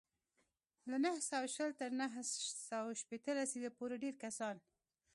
له نهه سوه شل تر نهه سوه شپېته لسیزې پورې ډېری کسان